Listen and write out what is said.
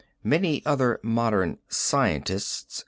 Many other modern scientists